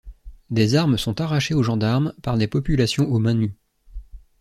Des armes sont arrachées aux gendarmes par des populations aux mains nues.